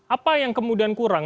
apa yang kemudian kurang